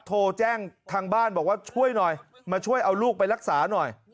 โทรแจ้งทางบ้านบอกว่าช่วยหน่อยมาช่วยเอาลูกไปรักษาหน่อย